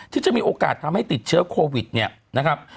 ที่จะมีโอกาสทำให้ติดเชื้อโควิดเนี่ยนะครับ